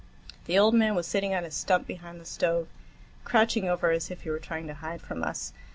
The old man was sitting on a stump behind the stove, crouching over as if he were trying to hide from us.